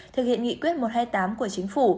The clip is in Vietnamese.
thực hiện nghị quyết một trăm hai mươi tám của chính phủ